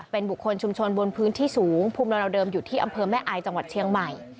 เป็นบุคคลชุมชนบนพื้นที่สูงภูมิลำเนาเดิมอยู่ที่อำเภอแม่อายจังหวัดเชียงใหม่